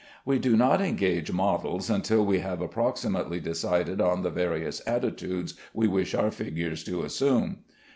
We do not engage models until we have approximately decided on the various attitudes we wish our figures to assume.